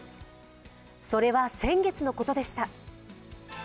それは先月のことでした。